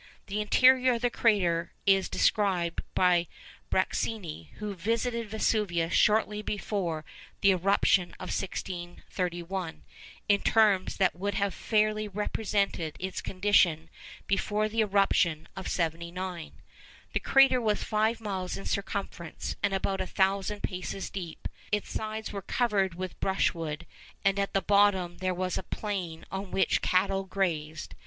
The interior of the crater is described by Bracini, who visited Vesuvius shortly before the eruption of 1631, in terms that would have fairly represented its condition before the eruption of 79:—'The crater was five miles in circumference, and about a thousand paces deep; its sides were covered with brushwood, and at the bottom there was a plain on which cattle grazed.